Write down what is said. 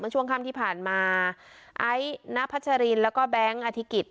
ช่วงค่ำที่ผ่านมาไอซ์ณพัชรินแล้วก็แบงค์อธิกิจ